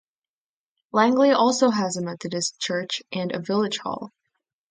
Langley also has a Methodist church and a village hall.